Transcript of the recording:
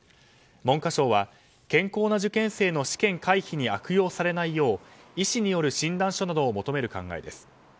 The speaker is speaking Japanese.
文科省は健康な受験生の試験回避に悪用されないよう医師による診断書などを求める考えです。